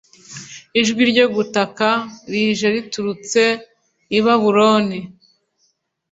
ijwi ryo gutaka rije riturutse i babuloni